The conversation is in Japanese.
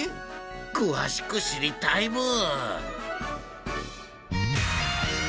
詳しく知りたいブー。